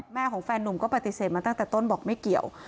แฟนของแฟนนุ่มก็ปฏิเสธมาตั้งแต่ต้นบอกไม่เกี่ยว